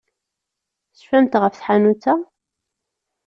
Tecfamt ɣef tḥanut-a?